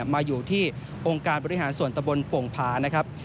มาอยู่ที่องค์การบริหารส่วนตะบนโป่งผานะครับ